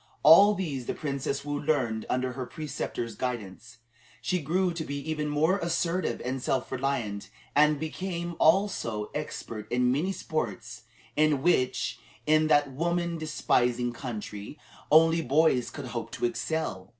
All these the Princess Woo learned under her preceptor's guidance. She grew to be even more assertive and self reliant, and became, also, expert in many sports in which, in that woman despising country, only boys could hope to excel.